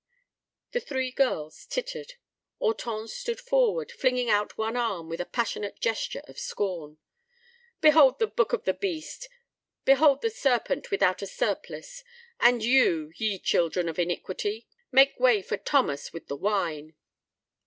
The three girls tittered. Hortense stood forward, flinging out one arm with a passionate gesture of scorn. "Behold the book of the beast. Behold the Serpent without a surplice! And you—ye children of iniquity—make way for Thomas with the wine!"